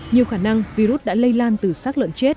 nhiều khả năng virus đã lây lan từ sát lợn chết